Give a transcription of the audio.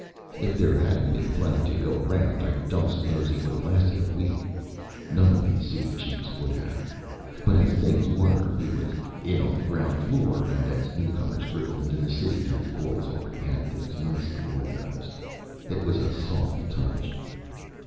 If there hadn't been plenty to go around, I don't suppose he would have lasted a week none of these city chiefs would have. But as things were, he was in on the ground floor, and as newcomers trickled into the city, his boys already had things nicely organized. It was a soft touch.